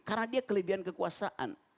karena dia kelebihan kekuasaan